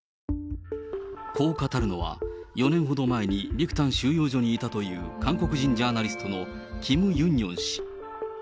こう語るのは、４年ほど前にビクタン収容所にいたという韓国人ジャーナリストのキム・ユンニョン氏。